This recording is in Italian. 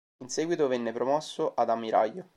In seguito venne promosso ad ammiraglio.